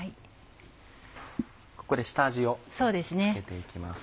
ここで下味を付けて行きます。